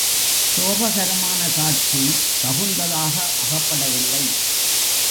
சோககரமான காட்சி தகுந்ததாக அகப்படவில்லை.